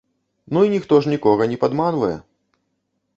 Ну і ніхто ж нікога не падманвае.